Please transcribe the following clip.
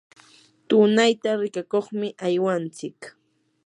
tunayta rikakuqmi aywanchik.